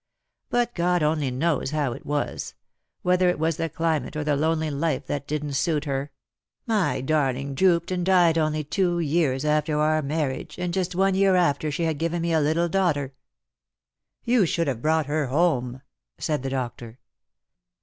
But God only knows how it was — whether it was the climate or the lonely life that didn't suit her — my darling drooped and died only two years after our marriage, and just one year after she had given me a little daughter." " You should have brought her home," said the doctor.